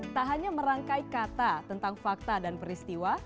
tak hanya merangkai kata tentang fakta dan peristiwa